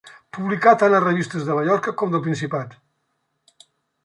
Publicà tant a revistes de Mallorca com del Principat.